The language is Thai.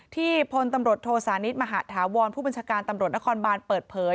พลตำรวจโทสานิทมหาธาวรผู้บัญชาการตำรวจนครบานเปิดเผย